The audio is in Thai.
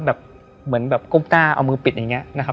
แบบเหมือนแบบก้มกล้าเอามือปิดอย่างนี้นะครับ